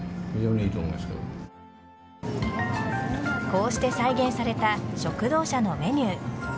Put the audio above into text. こうして再現された食堂車のメニュー。